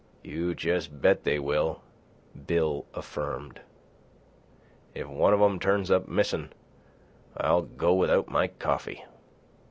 "You jes' bet they will," Bill affirmed. "If one of em' turns up missin', I'll go without my coffee."